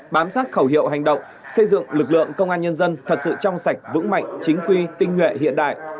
bám sát khẩu hiệu hành động xây dựng lực lượng công an nhân dân thật sự trong sạch vững mạnh chính quy tinh nguyện hiện đại